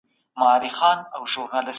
په مجلو کي علمي او ادبي مطالب خپرېږي.